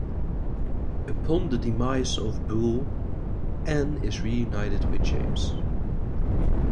Upon the demise of Bule Anne is reunited with James.